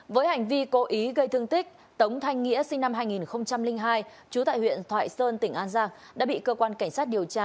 với hành vi cố ý gây thương tích tống thanh nghĩa sinh năm hai nghìn hai trú tại huyện thoại sơn tỉnh an giang